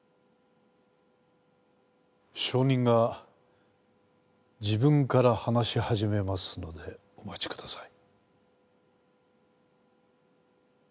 証人が自分から話し始めますのでお待ちください。